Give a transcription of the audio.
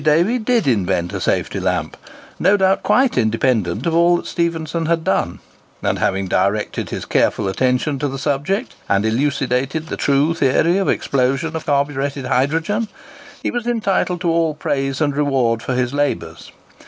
Davy did invent a safety lamp, no doubt quite independent of all that Stephenson had done; and having directed his careful attention to the subject, and elucidated the true theory of explosion of carburetted hydrogen, he was entitled to all praise and reward for his labours.